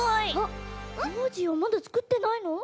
ノージーはまだつくってないの？